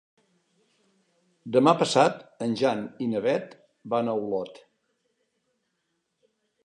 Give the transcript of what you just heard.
Demà passat en Jan i na Beth van a Olot.